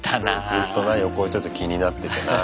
ずっとな横置いといて気になっててな。